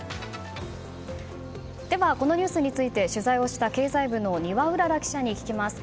このニュースについて取材をした経済部の丹羽うらら記者に聞きます。